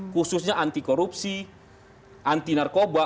khususnya anti korupsi anti narkoba